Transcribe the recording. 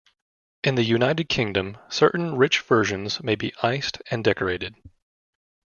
In the United Kingdom, certain rich versions may be iced and decorated.